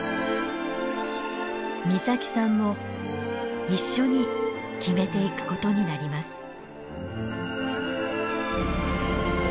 岬さんも一緒に決めていくことになります。